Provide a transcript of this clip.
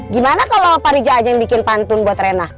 gimana kalau pak rija aja yang bikin pantun buat rena